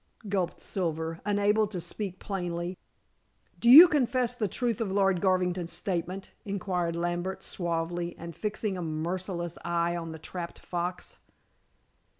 gulped Silver, unable to speak plainly. "Do you confess the truth of Lord Garvington's statement?" inquired Lambert suavely, and fixing a merciless eye on the trapped fox.